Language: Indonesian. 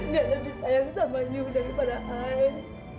dia lebih sayang sama you daripada ayah